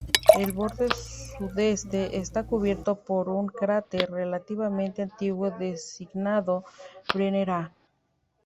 El borde sudeste está cubierto por un cráter relativamente antiguo designado "Brenner A".